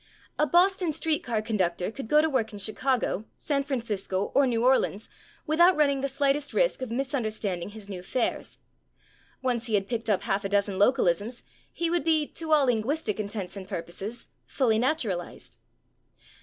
A Boston street car conductor could go to work in Chicago, San Francisco or New Orleans without running the slightest risk of misunderstanding his new fares. Once he had picked up half a dozen localisms, he would be, to all linguistic intents and purposes, fully naturalized.